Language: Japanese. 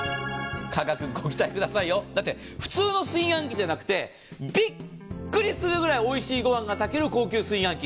価格ご期待くださいよ、だって普通の炊飯器じゃなくてびっくりするぐらいおいしい御飯が炊ける高級炊飯器。